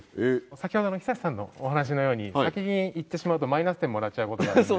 先ほどのＨＩＳＡＳＨＩさんのお話のように先にいってしまうとマイナス点もらっちゃう事があるので。